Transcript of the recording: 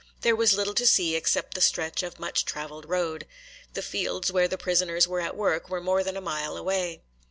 There was little to see except the stretch of much traveled road. The fields where the prisoners were at work were more than a mile away.